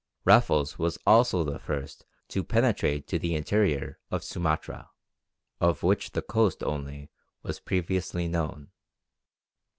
] Raffles was also the first to penetrate to the interior of Sumatra, of which the coast only was previously known.